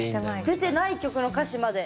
出てない曲の歌詞まで。